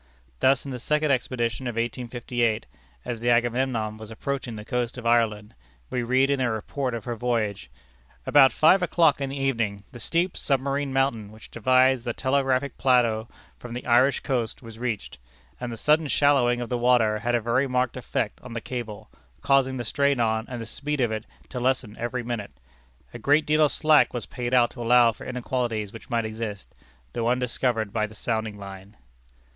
Thus in the second expedition of 1858, as the Agamemnon was approaching the coast of Ireland, we read in the report of her voyage: "About five o'clock in the evening, the steep submarine mountain which divides the telegraphic plateau from the Irish coast, was reached; and the sudden shallowing of the water had a very marked effect on the cable, causing the strain on, and the speed of it, to lessen every minute. A great deal of slack was paid out to allow for inequalities which might exist, though undiscovered by the sounding line."